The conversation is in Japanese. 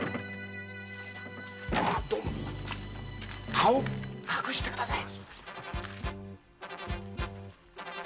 顔を隠してください。